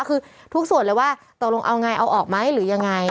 คือทุกส่วนเลยว่าตกลงเอาไงเอาออกไหมหรือยังไง